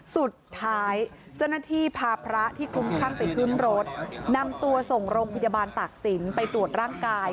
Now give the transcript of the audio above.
สุดท้ายเจ้าหน้าที่พาพระที่คลุ้มคลั่งไปขึ้นรถนำตัวส่งโรงพยาบาลตากศิลป์ไปตรวจร่างกาย